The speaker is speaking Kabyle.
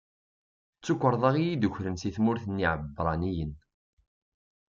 D tukerḍa i yi-d-ukren si tmurt n Iɛebṛaniyen.